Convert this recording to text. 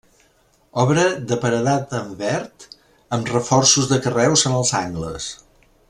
Obra de paredat en verd, amb reforços de carreus en els angles.